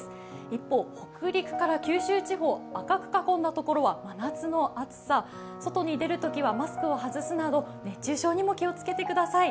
一方、北陸から九州地方、赤く囲んだところは真夏の暑さ外に出るときはマスクを外すなど熱中症にも気をつけてください。